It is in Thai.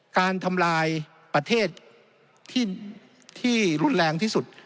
การทำลายประเทศที่รุนแรงที่สุด